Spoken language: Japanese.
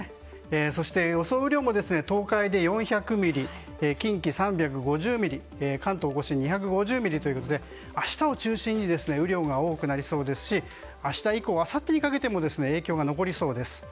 そして、予想雨量も東海で４００ミリ近畿、３５０ミリ関東・甲信は２５０ミリということで明日を中心に雨量が多くなりそうですし明日以降、あさってにかけても影響が残りそうです。